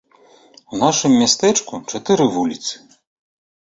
У нашым мястэчку чатыры вуліцы.